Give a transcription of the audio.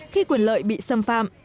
khi quyền lợi bị xâm phạm